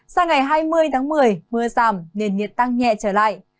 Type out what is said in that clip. sang ngày hai mươi tháng một mươi mưa giảm nền nhiệt tăng nhẹ trở lại